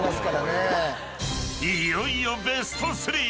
［いよいよベスト３！］